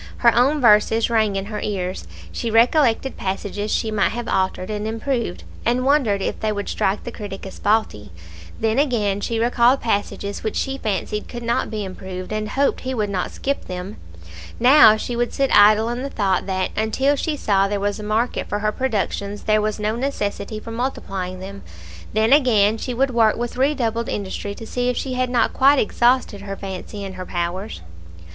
Her own verses rang in her ears; she recollected passages she might have altered and improved, and wondered if they would strike the critic as faulty; then again she recalled passages which she fancied could not be improved, and hoped he would not skip them; now she would sit idle in the thought that, until she saw there was a market for her productions, there was no necessity for multiplying them; then again she would work with redoubled industry to see if she had not quite exhausted her fancy and her powers.